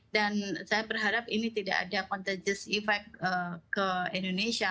dan saya berharap ini tidak ada contagious effect ke indonesia